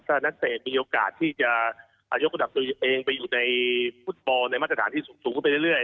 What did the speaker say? ถ้านักเตะมีโอกาสที่จะยกระดับตัวเองไปอยู่ในฟุตบอลในมาตรฐานที่สูงขึ้นไปเรื่อย